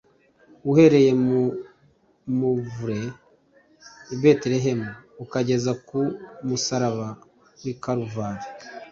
uhereye mu muvure i Betelehemu ukageza ku musaraba w'i Karuvali;